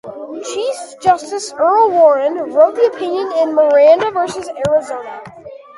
Chief Justice Earl Warren wrote the opinion in "Miranda versus Arizona".